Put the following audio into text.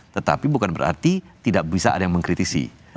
tetapi bukan berarti tidak bisa ada yang mengkritisi